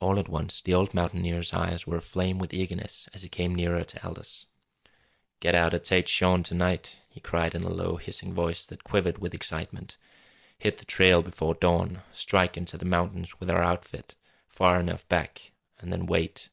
All at once the old mountaineer's eyes were aflame with eagerness as he came nearer to Aldous. "Get out of Tête Jaune to night!" he cried in a low, hissing voice that quivered with excitement. "Hit the trail before dawn! Strike into the mountains with our outfit far enough back and then wait!"